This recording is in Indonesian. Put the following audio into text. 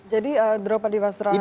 jadi drupadipas traharan